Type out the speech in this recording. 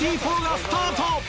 スタート！